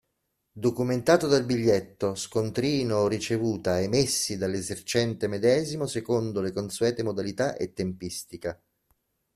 Documentato dal biglietto, scontrino o ricevuta messi dall'esercente medesimo secondo le consuete modalità e tempistica.